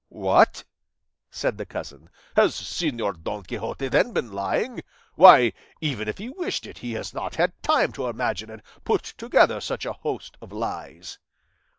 "What!" said the cousin, "has Señor Don Quixote, then, been lying? Why, even if he wished it he has not had time to imagine and put together such a host of lies."